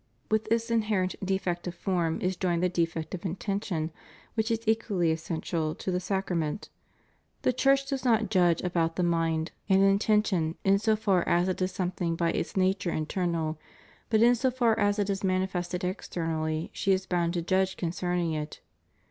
With this inherent defect of form is joined the defect of intention, which is equally essential to the sacrament. The Church does not judge about the mind and intention 404 ANGLICAN ORDERS. in so far as it is something by its nature internal; but in so far as it is manifested externally she is bound to judge concerning it.